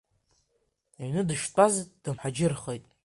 Иҩны дыштәаз дымҳаџьырхеит.